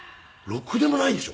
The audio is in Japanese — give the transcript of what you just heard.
ろくでもないでしょ？